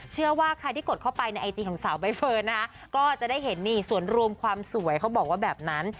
เชื่อว่าใครที่กดเข้าไปในไอจีของสาวใบเฟิร์นนะคะก็จะได้เห็นนี่ส่วนรวมความสวยเขาบอกว่าแบบนั้น